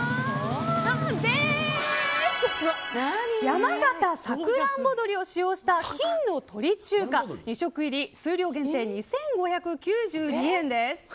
山形さくらんぼ鶏を使用した金の鶏中華２食入り数量限定、２５９２円です。